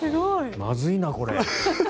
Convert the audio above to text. まずいな、これ。